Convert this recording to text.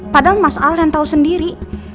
padahal mas al yang tahu sendiri